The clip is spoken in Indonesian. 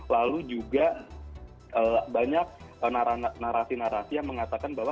lalu juga banyak narasi narasi yang mengatakan bahwa